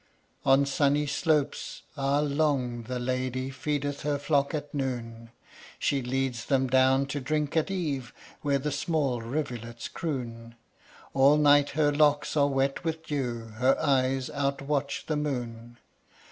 III. On sunny slopes, ah! long the lady Feedeth her flock at noon; She leads them down to drink at eve Where the small rivulets croon. All night her locks are wet with dew, Her eyes outwatch the moon.